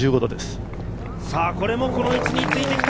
これもこの位置につけてきた！